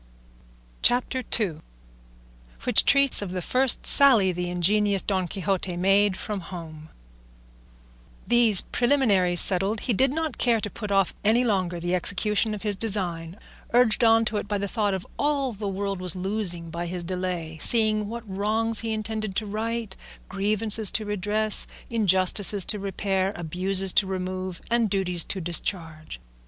CHAPTER II. WHICH TREATS OF THE FIRST SALLY THE INGENIOUS DON QUIXOTE MADE FROM HOME These preliminaries settled, he did not care to put off any longer the execution of his design, urged on to it by the thought of all the world was losing by his delay, seeing what wrongs he intended to right, grievances to redress, injustices to repair, abuses to remove, and duties to discharge.